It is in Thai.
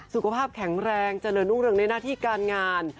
สุขภาพแข็งแรงเจริญรุ่งเรืองในหน้าที่การงาน